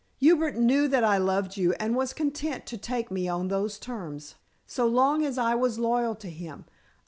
Hubert knew that I loved you, and was content to take me on those terms so long as I was loyal to him.